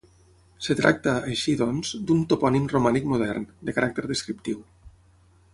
Es tracta, així, doncs, d'un topònim romànic modern, de caràcter descriptiu.